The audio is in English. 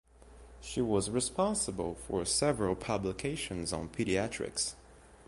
She was responsible for several publications on pediatrics.